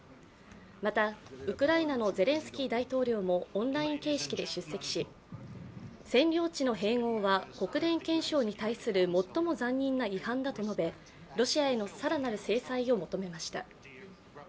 またウクライナのゼレンスキー大統領もオンライン形式で出席し占領地の併合は国連憲章に対する最も残忍な違反だと述べロシアへの更なる制裁を求めました。